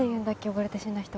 溺れて死んだ人。